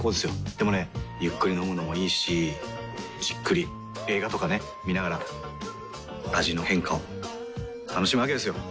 でもねゆっくり飲むのもいいしじっくり映画とかね観ながら味の変化を楽しむわけですよ。